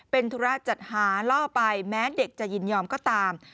เป็นธุระจัดหาล่อไปแม้เด็กจะยินยอมก็ตาม